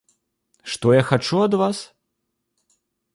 Што я хачу ад вас?